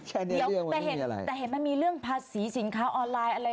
แค่นี้ร่วมไม่มีอะไรแต่เห็นมันมีเรื่องภาษาสินค้าออนไลน์อะไร